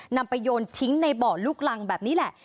นำไปโยนทิ้งในบ่อลูกรังแบบนี้แหละ